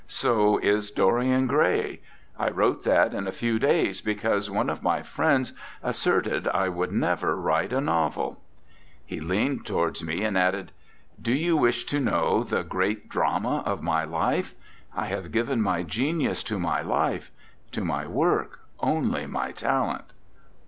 So is 'Dorian Grey.' I wrote that in a few days, because one of my friends asserted I would never write a novel." He leaned towards me and added: "Do you wish to know the great 45 RECOLLECTIONS OF OSCAR WILDE drama of my life? I have given my genius to my life, to my work only my talent."